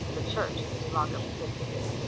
51 of a Church is any longer presented ?